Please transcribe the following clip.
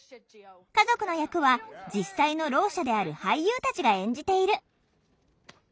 家族の役は実際のろう者である俳優たちが演じている。